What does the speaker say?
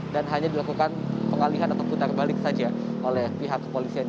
dan hanya dilakukan pengalihan atau putar balik saja oleh pihak kepolisian